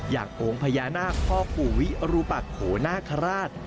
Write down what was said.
อย่างองค์พญานาคพ่อปู่วิรุปักโขนาคาราช